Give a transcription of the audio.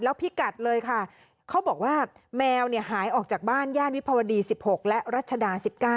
พิกัดเลยค่ะเขาบอกว่าแมวหายออกจากบ้านย่านวิภาวดี๑๖และรัชดา๑๙